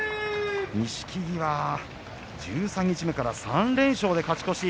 錦木は十三日目から３連勝で勝ち越し。